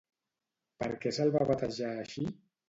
Per què se'l va batejar així?